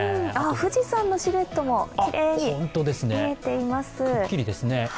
富士山のシルエットもきれいに見えています。